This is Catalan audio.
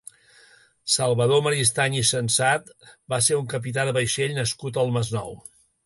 Salvador Maristany i Sensat va ser un capità de vaixell nascut al Masnou.